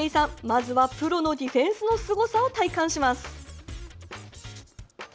まずはプロのディフェンスのすごさを体感します。